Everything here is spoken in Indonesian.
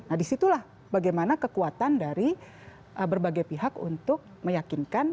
nah disitulah bagaimana kekuatan dari berbagai pihak untuk meyakinkan